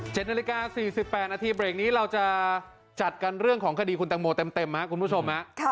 เจ็ดนาฬิกา๔๘นาทีเบรคนี้เราจะจัดกันเรื่องของคดีคุณตังโมเต็มคุณผู้ชม